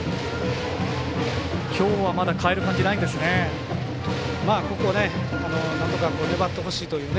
きょうは、まだ代える感じないですね。